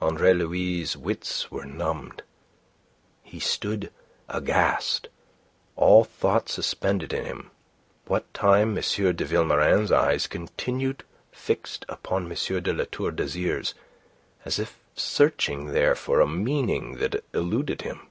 Andre Louis' wits were numbed. He stood aghast, all thought suspended in him, what time M. de Vilmorin's eyes continued fixed upon M. de La Tour d'Azyr's, as if searching there for a meaning that eluded him.